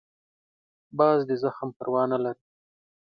باز د زخم پروا نه لري